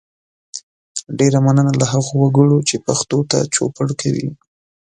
ډیره مننه له هغو وګړو چې پښتو ته چوپړ کوي